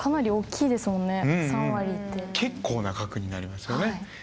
結構な額になりますよね。